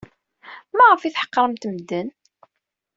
Maɣef ay tḥeqremt medden?